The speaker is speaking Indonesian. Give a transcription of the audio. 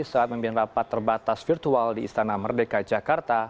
saat memimpin rapat terbatas virtual di istana merdeka jakarta